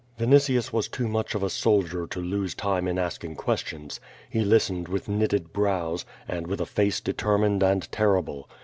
Vinitius was too much of a soldier to lose time in asking questions. He listened with knitted brows, and with a face determined and terrible.